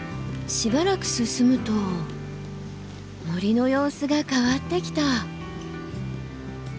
しばらく進むと森の様子が変わってきた。